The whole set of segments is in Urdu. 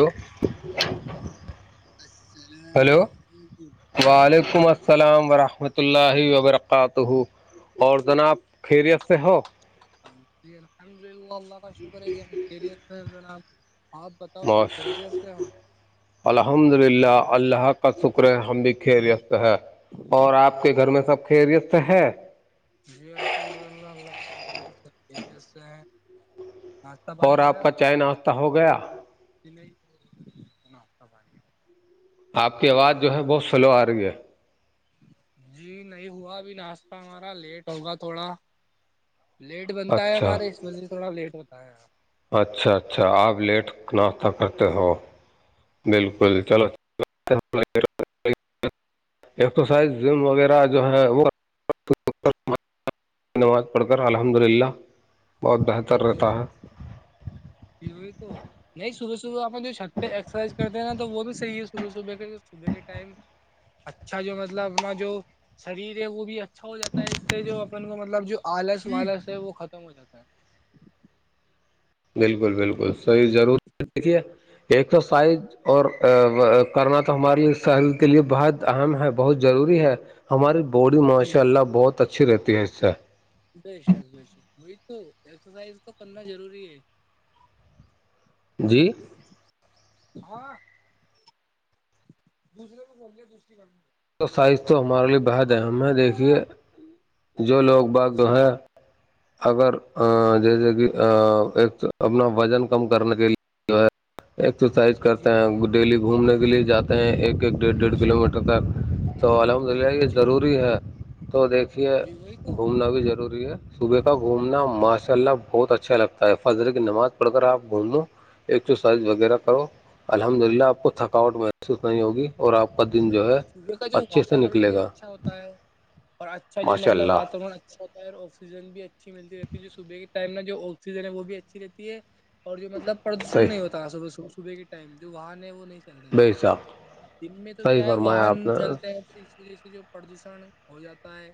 ہلو السلام ہلو علیکم وعلیکم السلام ورحمۃ اللہ وبرکاتہ اور جناب خیریت سے ہو ج الحمد للہ اللہ کا ش کرے گیری جنا آپ بتاؤ سب موش کیریئر سے ہو الحمد للہ اللہ کا شکر ہے ہم بھی خریست ہے اور آپ کے گھر میں سب خیریست ہے جی الحمد اللہ اللہ فکر کی سیت سے ہیں ناشتہ اور آپ کا چائے ناشتہ ہو گیا نہیںنابانی آپ کی آواز جو ہے بہت سلو آ رہی ہے جی نہیں ہوا ابھی ناشتہ ہمارا لیٹ ہوگا تھوڑا لیٹ بنتا ہے اچھا ہمارے اس مز سے تھوڑا لیٹ ہوتا ہے آپ اچھا اچھا آپ لیٹ ناشتہ کرتے ہو بالکل چلو ایکسرسائز زم وغیرہ جو ہے وہ نماز پڑھتا الحمد للہ بہت بہت جی جی کی وہئی تو نہیں صبح صبح اپ جو چھت پہ ایکسرسائز کرتے ہیں ن تو وہ بھی صحیح ہے صبح صبح کے صبح کے ٹائم اچھا جو مطلب اپنا جو شریر ہے وہ بھی اچھا ہو جاتا ہے اس سے جو اپن کو مطلب جو آلس والالس ہے وہ ختم ہو جاتا ہے بالکل بالکل صحیح ضرور دیکھیے ایک سو سائز اور کرنا تو ہمارے لیے شہریر کے لیے بہت اہم ہے بہت ضروری ہے ہماری باڈی جی ماشاء اللہ بہت اچھی رہتی ہے اس سے ب شاک ب شک وہی تو ایکسرسائز تو کرنا ضروری ہے جی ہاں دوسرے کو بول دوسری کر سائز تو ہمارے لیے بےحد اہم ہے دیکھیے رہا جو لوگ باغ جو جی ہے اگر جیسے کہ ایک اپنا وزن کم کرنے کے لیے جو ہے ایکسرسائز جی کرتے جی ہیں ڈیلی گھومنے کے لیے جاتے ہیں ایک ایک ڈیڑھ ڈیڑھ کلو میٹر تا تو الحمد للہ یہ جی ضروری ہے تو دیکھ اسھیے جی وہی تو گھومنا بھی ضروری ہے صبح کا گھومنا ماشاء اللہ بہت اچھا لگتا ہے فضل کی نماز پڑھ کر آپ گھوم لوں ایکسرسائز وغیرہ کرو الحمد للہ آپ کو تھکاوٹ محسوس نہیں ہوگی اور آپ کا دن وہی جو تو ہے صبح کا جو اچھے سے واتاورن نکلے بھی گا اچھا ہوتا ہے اور اچھا جو ماشاء مطلب اللہ واتاورن ہوتا ہے آکسیجن بھی اچھی ملتی رہتی ہے جو صبح کے ٹائم نا جو آکسیجن ہے وہ بھی اچھی رہتی ہے اور جو مطلب پردوشن صحیح نہیں ہوتا صبح صبح کے ٹائم جو وہن وہ نہیں بے تا تھا حساب دن میں تو صحیح کیا ہے فرمایا واہن آپ نے چلتے اس وجہ سے جو پردوشن ہو جاتا ہے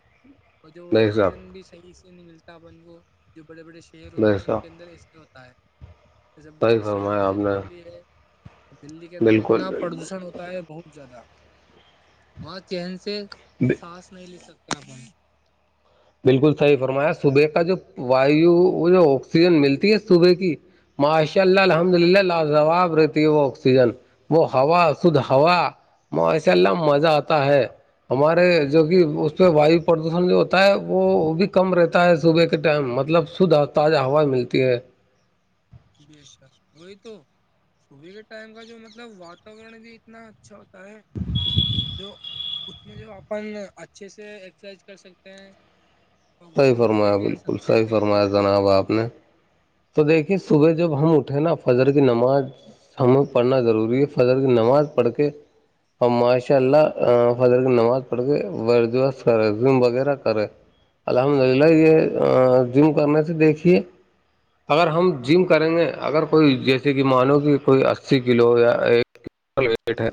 اور جو بے حساب آکسیجن بھی صحیح نہیں ملتا بن کوو جو بڑے بڑے شہر بے ہوتے ہیں ان حساب کے اندر اس کے ہوتا ہے جس بڑا صحیح شہر فرمایا آپ جیسے نے دلی ہے تو دلی کے اندر بالکل اتنا بالکل پردوشن ہوتا بہت زیادہ وہاں چہن سے سانس نہیں لے سکتے آ بالکل صحیح فرمایا صبح کا جو وایو وہ جو آکسیجن ملتی ہے صبح کی ماشاء اللہ الحمد للہ لاجواب رہتی ہے وہ آکسیجن وہ ہوا خود ہوا ماشاء اللہ مزہ آتا ہے ہمارے جی جو کہ اس پ وایو پردوشن جو ہو ہوتا ہے وہ بھی کم رہتا ہے صبح کے ٹائم مطلب شدھ تازہ ہوا ملتی ہے جی سر وہی تو صبح کے ٹائم کا جو مطلب واتاورن بھی اتنا اچھا ہوتا ارے جو اس میں جو اپن اچھے سے ایکسرسائز کر سکتے ہیں اور صحیح گھوم کے فرمایا بھی آ بالکل سکتے ہیں صحیح کہیں پر فرمایا بھی جناب آپ نے تو دیکھیے صبح جب ہم اٹھے نا فجر کی نماز ہمیں پڑھنا ضروری ہے فضل کی نماز پڑھ کے اور ماشاء اللہ فضر کی نماز پڑھ کے ورجوش کرے زم وغیرہ کرے الحمد جی للہ یہ جم کرنے سے دیکھیے اگر ہم جم کریں گے اگر کوئی جیسے کہ مانو کہ کوئی اسی کلو یا وٹ ہے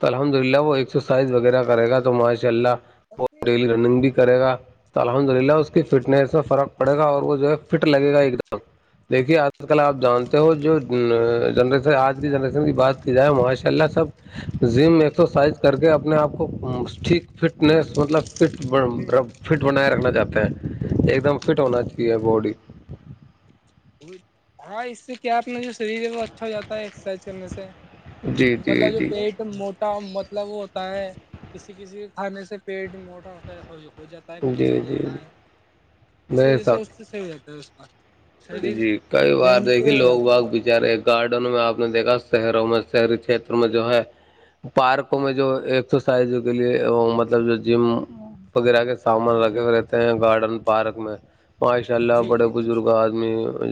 تو الحمد للہ وہ ایک اسرسائز وغیرہ کرے گا تو ماشاء اللہ ڈیلی رننگ بھی کرے گا تو الحمد للہ اس فٹنس میں فرق پڑے گا اور وہ جو ہے فٹ لگے گا ایک دم دیکھیے آد آج کل آپ جی جانتے ہو جو جنریشن آج کی جنریشن کی بات کی جائے ماشاء اللہ سب جم ایکسرسائز کر کے اپنے آپ کو ٹھیک فٹنیس مطلب فٹ ر فٹ بنائے رکھنا چاہتے ہیں ایک دم فٹ ہونا چاہیے باڈی ہاں اس سے کیا اپنا جو شریر ہے وہ اچھا ہو جاتا ہے ایکسرسائز کرنے سے جی جی مطلب جو جی پیٹ موٹا مطلب وہ ہوتا ہے کسی کسی کے کھانے سے پیٹ موٹا خ ہو جاتا ہے کچھ جی ایسا ہو جی جاتا ہے اس بے وجہ سے شک اس سے صحیح ہو جاتا ہے اس کا شریر جی کئی بار دیکھیے مینٹین ہو لوگ جاتا باگ ہے یارے گارڈن میں آپ نے دیکھا شہروں میں شہری چھیر میں جو ہے پارکوں میں جو ایکسرسائز کے لیے وہ مطلب جو جم وغیرہ کے سامان جی رکھے رہتے ہیں گارڈن پارک میں ماشاء اللہ جی جی بڑے جی درشن بزرگ آ آد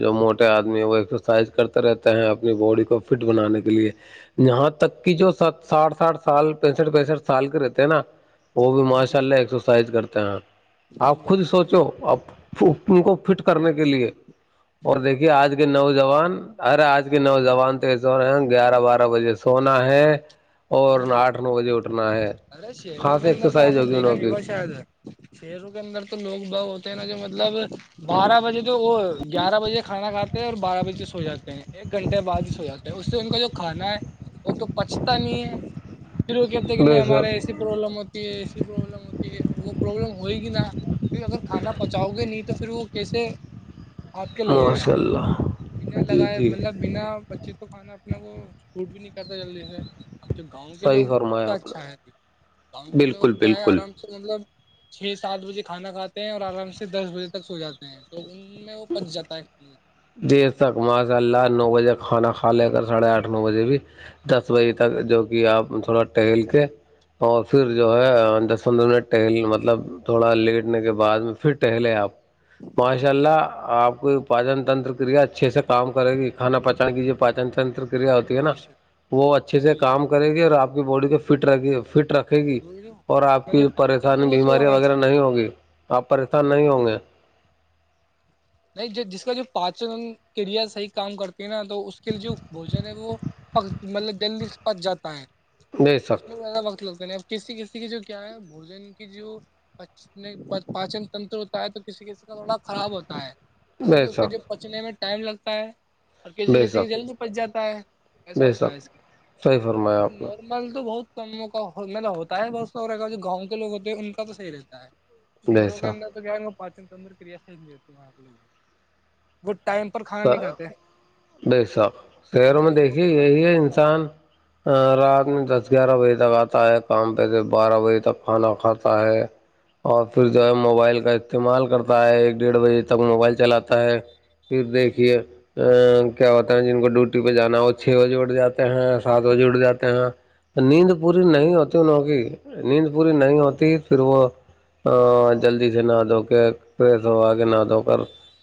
جو موٹے آدمی ہیں وہ ایکسرسائز کرتے رہتے ہیں اپنی باڈی کو فٹ بنانے کے لیے یہاں تک کہ جو س سٹھ ساٹھ سال پینسٹھ پینسٹھ سال کے رہتے ہیں نا وہ بھی جی ماشاء اللہ ایکسرسائز کرتے ہیں آپ جی جی خود سوچو درشن اب ان کو فٹ کرنے کے لیے اور دیکھیے آج کے نوجوان ارے آج کے نوجوان تو سے ہو رہے ہیں گیارہ بارہ بجے سونا ہے اور جی آٹھ نو بجے اٹھنا ہے ارے خاص ایکسرسائز ہوگی انہوں کی پیروں کے اندر تو لوگ ب ہوتے ہیں نا جو مطلب بارہ بجے تو وہ گیارہ بجے کھانا کھاتے اور بارہ بجے سو جاتے ہیں ایک گھنٹے بعد ہی سو جاتے ہیں اس سے ان کا جوھانا ہے وہ تو پچتا نہیں ہے پھر وہ کہتے کہ نہیں بے ہمارے شک ایسی پروبلم ہوتی ہے ایسی پرابلم ہوتی ہے وہ پروابلم ہوئی کہ نا پھر اگر کھانا پچاؤ گے نہیں تو پھر وہ کیسے آپ کے لگے گا ماشاء اللہ ب جی لگائے جی مطلب بنا بچے تو کھانا اپنا کو فوٹ بھی نہیں کرتا جلدی سے اب تو گاؤں کے صحیح لوگ فرمایا کا آپ اچھا ہے نے گاؤں کے لوگ بالکل کیا ہے بالکل آرام سے مطلب چھ سات بجے کھانا کھاتے ہیں اور آرام سے دس بجے تک سو جاتے ہیں تو ان میں وہ پچ جاتا ہے دیر تک ماشاء اللہ نو بجے کھانا کھا لے کر ساڑھے آٹھ نو بجے بھی دس بجے تک جو کہ آپ تھوڑا ٹہل کے اور پھر جو ہے دس پندرہ منٹ ٹہل مطلب تھوڑا لیٹنے کے بعد میں پھر ٹہلے آپ ماشاء جی اللہ آپ کوپجن تنتر کریا اچھے سے کام کرے گی کھانا پہچان کی جی جو پاچننتر کریا ہوتی ہے نا بے شک وہ اچھے سے جی کام کرے گی اور آپ کی باڈی کو فٹ فٹ رکھ رکھے گی اور آپ مجھے کی پاچن ہے پریشانی وہ صحیح بیماریاں ہونا وغیرہ نہیں چاہیے ہوگی آپ پریشان نہیں ہوں گے نہیں جس کا جو پاچن کریا صحیح کام کرتی ہے نا تو اس کے لیے جو بوجن ہے وہ مطلب دہی کے پس جاتا ہے بے شک اس میں زیادہ وقت لگتے ہیں کسی کسی کی جو کیا ہے بوجن کی جو پچ پاچن تنتر ہوتا ہے تو کسی کسی کا تھوڑا خراب ہوتا ہے جیسے کہ بے اس کا جو شک پچنے میں ٹائم لگتا ہے اور کسی بے کسی کی شک جلدی پچ جاتا ہے ایسا بے ہوتا ہے شک اس صحیح کا فرمایا مطلب آپ نے مل تو بہت کم کا مطلب ہوتا ہے ب ا گاؤں کے لوگ ہوتے ہیں ان کا تو صحیح رہتا ہے بے شہروں کے اندر تو جائیں گے پاچن تندر کی ریاست دیتی وہاں کے لوگ وہ ٹائم پر کھانا س نہیں کھاتے ب صاب ان شہروں کا میں جو دیکھیے وقت وہ یہی ہے انسان رات میں دس گیارہ بجے تک آتا ہے کام پہ سے بارہ بجے تک کھانا کھاتا ہے [inaudible] اور پھر جو جی ہے موبائل کا استعمال کرتا ہے ایک ڈیڑھ بجے تک موبائل چلاتا ہے پھر دیکھ ا کیا ہوتے ہیں جن کو ڈیوٹی پہ جانا ہے وہ چھ بجے اٹھ جاتے ہیں سات بجے اٹ جاتے ہیں نیند پوری نہیں ہوتی انوں کی نیند پوری نہیں ہوتی پھر وہ ا جلدی سے نہ دھو کے پریس ہووا کے جی نہ دھو کر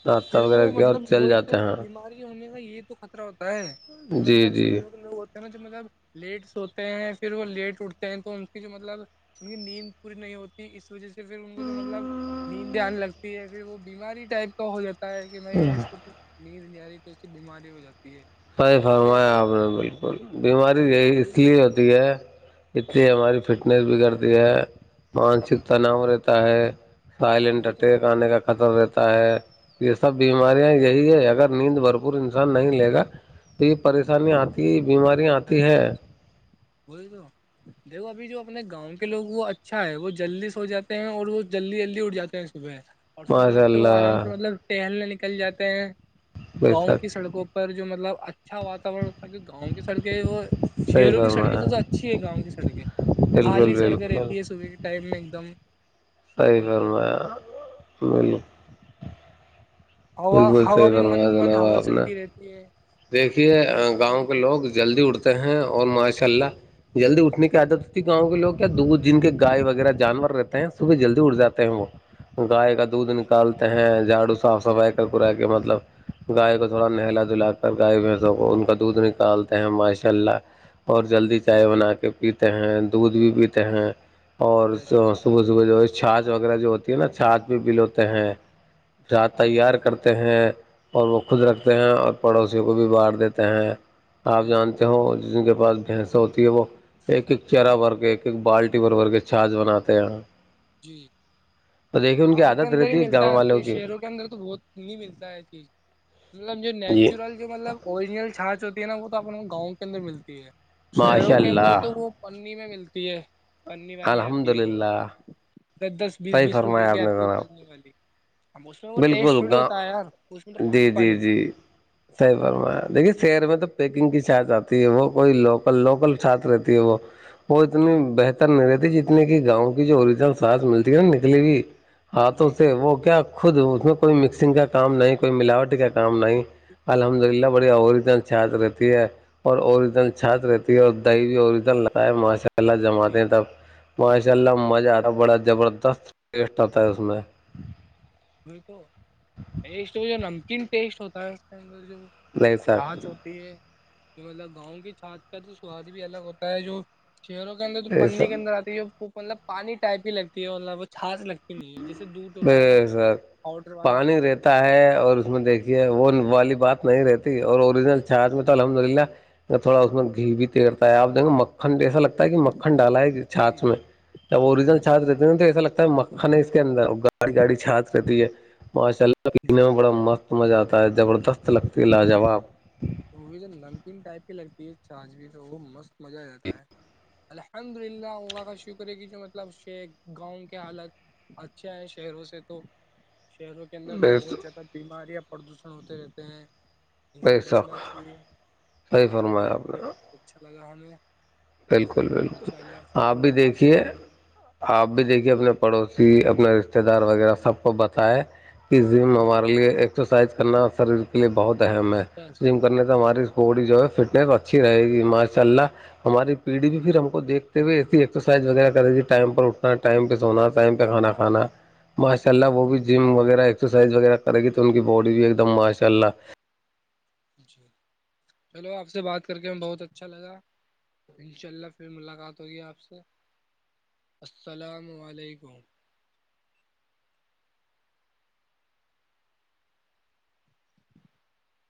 ناشہ پھر وغیرہ وہ کیا مطلب چل وہ جاتے تو ہیں بیماری ہونے کا یہ تو خطرہ ہوتا ہے جو جی مطلب جی شہروں کے لوگ نا جو مطلب لیٹ س ہوتے ہیں پھر وہ لیٹ اٹتے ہیں تو ان کی جو مطلب- ان کی نیند پوری نہیں ہوتی اس وجہ سے پھر ان کو جو مطلب نیندان لگ- پھر وہ بیماری ٹائپ کا ہو جاتا ہے کہ بھ اس کو- نیند نیاری تو اس کی بیماری ہو جاتی ہے- نہیں اس لیے فرمایا اگر آپ نے بالکل بیماری لوگ یہی اس جلدی لیے سو ہوتی جاتے ہے- اتنی ہماری فٹنس بگڑتی ہے، ہیں مانسک جی تناؤ رہتا ہے- سائلنٹ وہی اٹ تو گانے کا- خطر رہتا ہے یہ سب بیماریاں یہی ہے اگر نیند بھرپور انسان نہیں لے گا تو یہ پریشانی آتی ہے بیماریاں آتی ہے کوئی تو دیکو ابھی جو اپنے گاؤں کے لوگ وہ اچھا ہے وہ جلدی سو جاتے ہیں اور وہ جلدی جلدی اٹھ جاتے ہیں صبح اور صبح ماشاء اٹ کے وہ آرام سے اللہ مطلب ٹہلنے نکل جاتے ہیں بے گاؤں شک کی سڑکوں پر پر جو مطلب اچھا واتاورن گاؤں کی سڑکیں وہ صحیح شہروں کی سڑکیں فرمایا تو تو اچھی ہے گاؤں کی سڑکیں خالی بالکل سڑکیں بالکل رہتی ہے صبح کے ٹائم میں ایک دم- صی س اور جو میں مل- ہوا بالکل ہوا صحیح بھی فرمایا مند مند جناب ہوا آپ نے- چلتی رہتی ہے اور جو دیکھیے پیڑ پودوں گاؤں کی کے لوگ جی جلدی اٹتے ہیں اور ماشاء اللہ- جلدی اٹھنے کی عادت ہوتی گاؤں لوگ کیایا د جن کے گائے وغیرہ جانور رہتے ہیں صبح جلدی اٹھ جاتے ہیں وہ- گائے کا دودھ نکالتے ہیں جھاڑو صاف صفائی کا کرا کے مطلب- گائے کو تھوڑا نہلا دھلا کر گائے بھینسوں کو ان کا دودھ نکالتے ہیں ماشاء اللہ- اور جلدی جی چائے بنا کے پیتے ہیں دودھ بھی پیتے ہیں اور- بش صبح- صبح جو ہے چاچ وغیرہ جو ہوتی ہے نا چھاچ میں پلوتے ہیں رات تیار- جی ہیں اور وہ خود رکھتے ہیں اور پڑوسیوں کو بھی بانٹ دیتے ہیں- آپ بش جانتے ہو ٹھیک ہے جن کے پاس بھینس ہوتی ہے وہ ایک- ایک کیا- بھر کے ایک- ایک بالٹی بھر بھر کے چھاچ بناتے ہیں جی تو دیکھیے ان کی گاؤں کے عادت اندر رہتی ہی ہے ملتا گاؤں آپ والوں کو کی- شہروں اندر تو وہت نہیں ملتا ہے چیز مطلب جو جی نیچورل- جو مطلب اوریجنل چھچ ہوتی ہے نا وہ تو اپنے گاؤں کے اندر ملتی ہے شہروں ماشاء کے اندر تو اللہ وہ- پنی میں ملتی ہے پنی والی الحمد آتی ہے وہ- للہ دس- دس بیس- صحیح بیس روپئے فرمایا کی آپ نے آتی ہے جناب پنے والی- اب اس میں وہ ٹیسٹ بالکل تھوڑی ہوتا ہے گاؤں ار اس میں تو پانی- پانی ہوتا ہے- سحی فرمایا دیکھیے شہر میں تو پیکنگ کی ساتچ آتی ہے وہ کوئی لوکل- لوکل ساتچ رہتی ہے وہ- وہ ہے۔ اتنی جی بہتر نہیں رہتی جتنی کہ گاؤں کی جو اوریجنل سس ملتی ہے نا نکلی ہوئی- ہاں تو جی اس سے وہ کیا خود اس میں کوئی مکسنگ کا کام نہیں کوئی ملاوٹ کا کام نہیں- الحمد للہ بڑی ہوور- چھات رہتی ہے اور اوروریجنل چھات رہتی ہے اور دہوی اوررییجنل لتا ہے ماشا- لہ جماتے جی ہیں تب ماشاء اللہ مزہ آتا بڑا زبردست ٹیسٹ آتا ہے اس میں- بالک ٹیسٹ جو نمکین ٹیسٹ ہوتا ہے اس کے اندر جو- نہیں سر چھاچ ہوتی ہے جو مطلب گاؤں کی چھاچ کا تو سواد بھی الگ ہوتا ہے جو- چہروں کے اندر تو یہ پنی کے سب اندر آتی ہے جو مطلب پانی ٹائپ ہی لگتی ہے اورب چھاس لگتی ہے- نہیں جیسے دودھ ہوتا ہے نا- بے سر پاؤڈر والا پانی رہتا- ہے اور اس کو دیکھ کے وہ والی بات نہیں رہتی اور اوریجنل چار میں تو الحمدللہ- تھوڑا اس میں گھی بھی تیرتا ہے آپ دیکھے مکھن ایسا لگتا ہے، کہ مکھن ڈال ہے جی چھچ میں جب اوریجنل چھات رہتی ن تو ایسا لگتا ہے مکھن ہے اس کے اندر گاڑی- گاڑی چات رہتی ہے ماشاء اللہ- پینے جی میں بڑا مست مزہ آتا ہے زبردست لگتی لاجواب- وہ جب نمکین ٹائپ کی لگتی ہے چارج بھی تو وہ مست مزہ آ جاتا ہے- الحمد للہ اا کا شکر ہے کہ جو مطلب گاؤں کے حالت- اچھا ہے شہروں سے تو- شہروں کے اندر تو بے بہت زیادہ بیماریا پردوشن ہوتے رہتے ہیں جے بے بچ- شک نا چاہیے اور صحیح آپ سے فرمایا بات نے اچھا لگا ہمیں- بالکل- ان بالکل شاء اللہ پھر آپ بھی ملاقات دیکھیے ہوگی آپ بھی جی دیکھیے اپنے- پڑوسی اپنے رشتے دار وغیرہ سب کو بتائے اس م ہمارے لیے ایک- سرسائز کرنا شریر کے لیے بہت اہم ہے ج بس کو- کرنے سے ہماری بی جو ہے فٹس اچھی رہے گی ماشاء اللہ- ہماری پیڑھی بھی پھر ہم کو دیکتے ہوئے ایسی ایکرسائز وغیرہ کریھی ٹائمہ اٹھنا ٹائ پہ سونا ائ پہ کھانا- پان ماشاء اللہ وہ بھی جم وغیرہ ایکسرسائز وغیرہ کرے گی تو ان کی باڈی بھی ایک دم ماشاء اللہ جی چلو آپ سے بات کر کے ہمیں بہت اچھا لگا انشاء اللہ پھر ملاقات ہوگی آپ سے السلام علیکم